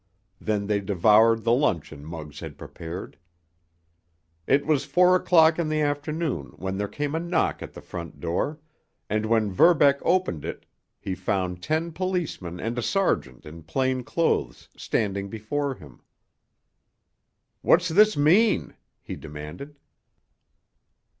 Then they devoured the luncheon Muggs had prepared. It was four o'clock in the afternoon when there came a knock at the front door, and when Verbeck opened it he found ten policemen and a sergeant in plain clothes standing before him. "What's this mean?" he demanded.